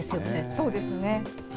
そうですね。